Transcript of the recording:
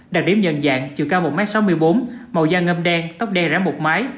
đặc điểm nhận dạng chiều cao một m sáu mươi bốn màu da ngâm đen tóc đen rẽ một mái